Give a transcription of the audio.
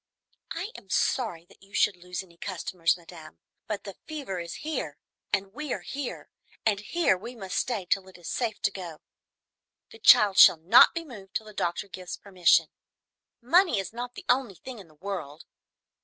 I am sorry that you should lose any customers, madame, but the fever is here and we are here, and here we must stay till it is safe to go. The child shall not be moved till the doctor gives permission. Money is not the only thing in the world!